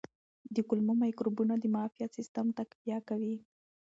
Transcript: د کولمو مایکروبونه د معافیت سیستم تقویه کوي.